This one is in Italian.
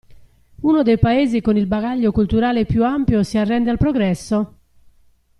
Uno dei paesi con il bagaglio culturale più ampio si arrende al progresso?